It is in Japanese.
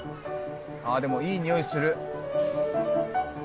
ああでもいいにおいする。